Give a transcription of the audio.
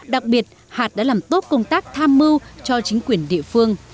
đặc biệt hạt đã làm tốt công tác tham mưu cho chính quyền địa phương